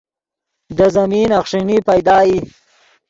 دے زمین اخݰینی پیدا ای